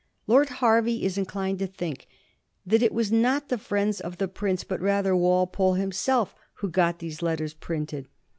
Lord Hervey is inclined to think that it was not the friends of the prince, but rather Walpole himself, who got these letters printed.